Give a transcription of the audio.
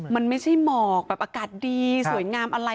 มันไม่ใช่หมอกแบบอากาศดีสวยงามอะไร